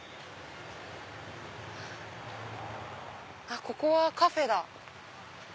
あっここはカフェだ。